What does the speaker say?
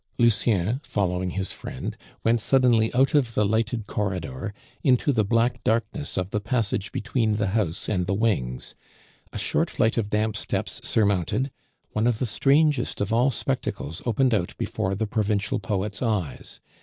Lucien, following his friend, went suddenly out of the lighted corridor into the black darkness of the passage between the house and the wings. A short flight of damp steps surmounted, one of the strangest of all spectacles opened out before the provincial poet's eyes.